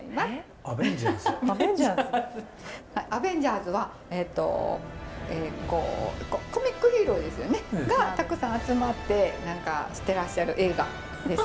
アベンジャーズはコミックヒーローですよね？がたくさん集まって何かしてらっしゃる映画です。